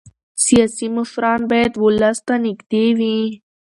سیاسي مشران باید ولس ته نږدې وي